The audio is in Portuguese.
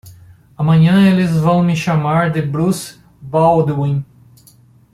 Amanhã eles vão me chamar de Bruce Baldwin.